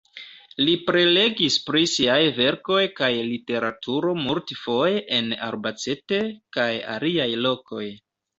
Li prelegis pri siaj verkoj kaj literaturo multfoje en Albacete kaj aliaj lokoj.